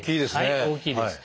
大きいですね。